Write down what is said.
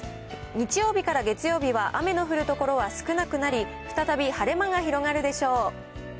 日曜日から月曜日は雨の降る所は少なくなり、再び晴れ間が広がるでしょう。